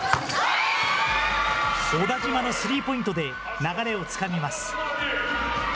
小田島のスリーポイントで流れをつかみます。